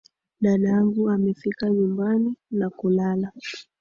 Dadangu amefika nyumbani na kulala.